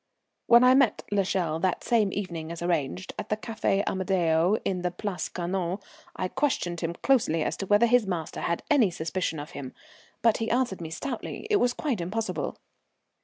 When I met l'Echelle that same evening as arranged, at the Café Amadeo in the Place Carnot, I questioned him closely as to whether his master had any suspicion of him, but he answered me stoutly it was quite impossible.